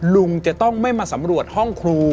ลุงจะต้องไม่มาสำรวจห้องครู